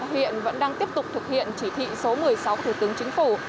hiện vẫn đang tiếp tục thực hiện chỉ thị số một mươi sáu của thủ tướng chính phủ